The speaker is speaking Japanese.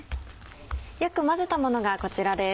よく混ぜたものがこちらです。